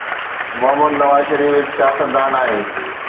محمد نواز شريف هڪ سياستدان آهي.